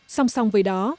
song song với đó